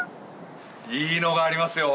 いいのがありますよ。